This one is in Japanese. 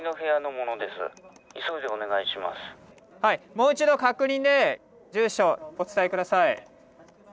もう一度確認で住所お伝え下さい。